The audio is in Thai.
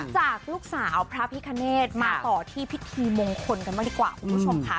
จากลูกสาวพระพิคเนธมาต่อที่พิธีมงคลกันบ้างดีกว่าคุณผู้ชมค่ะ